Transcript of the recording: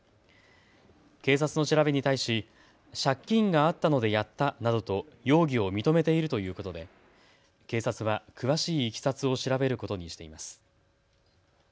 警察の調べに対し借金があったのでやったなどと容疑を認めているということで警察は詳しいいきさつを調べることにしています。